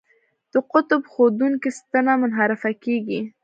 د قطب ښودونکې ستنه منحرفه کیږي.